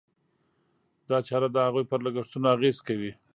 دا چاره د هغوی پر لګښتونو اغېز کوي.